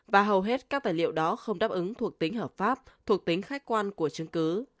và hầu hết các tài liệu đó không đáp ứng thuộc tính hợp pháp thuộc tính khách quan của chứng cứ